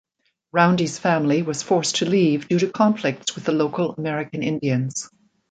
Roundy's family was forced to leave due to conflicts with the local American Indians.